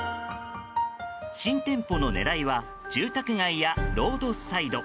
新店舗の狙いは住宅街やロードサイド。